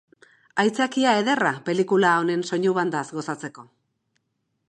Aitzakia ederra pelikula hauen soinu bandaz gozatzeko.